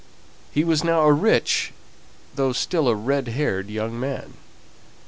He was now a rich, though still a red haired, young man.